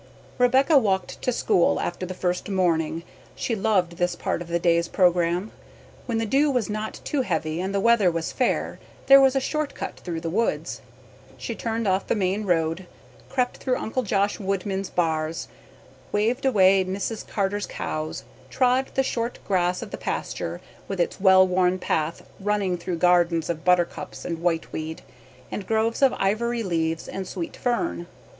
Rebecca walked to school after the first morning. She loved this part of the day's programme. When the dew was not too heavy and the weather was fair there was a short cut through the woods. She turned off the main road, crept through uncle Josh Woodman's bars, waved away Mrs. Carter's cows, trod the short grass of the pasture, with its well worn path running through gardens of buttercups and white weed, and groves of ivory leaves and sweet fern.